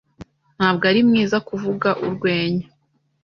ntabwo ari mwiza kuvuga urwenya.